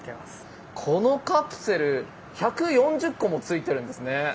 このカプセル１４０個もついてるんですね。